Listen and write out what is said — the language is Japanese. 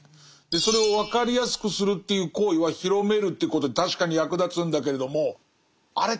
でそれをわかりやすくするっていう行為は広めるっていうことに確かに役立つんだけれどもあれ？